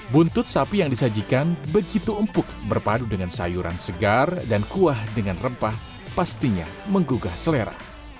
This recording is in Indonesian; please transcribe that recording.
buntut sapi yang disajikan begitu empuk berpadu dengan sayuran segar dan kuah dengan rempah pastinya menggugah selera